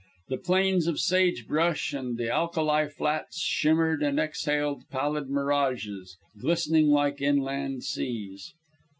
The plains of sagebrush and the alkali flats shimmered and exhaled pallid mirages, glistening like inland seas.